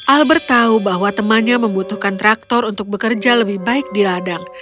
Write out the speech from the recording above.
albert tahu bahwa temannya membutuhkan traktor untuk bekerja lebih baik di ladang